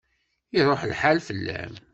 Iṛuḥ lḥal fell-am.